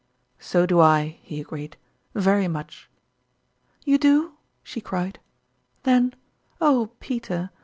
125 " So do I," lie agreed, " very much." " You do ?" she cried. " Then, oh, Peter